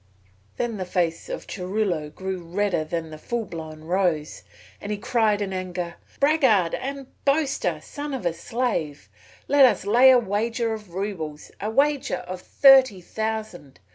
Then the face of Churilo grew redder than the full blown rose, and he cried in anger: "Braggart and boaster, son of a slave. Let us lay a wager of roubles, a wager of thirty thousand.